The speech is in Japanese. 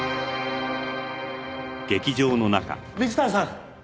ビクターさん！